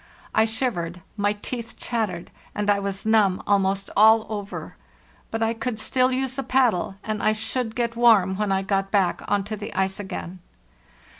I shivered, my teeth chattered, and I was numb almost all over; but I could still use the paddle, and I should get warm when | got back on to the ice again.